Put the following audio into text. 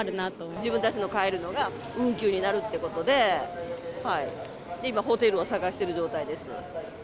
自分たちの帰るのが運休になるってことで、今、ホテルを探してる状態です。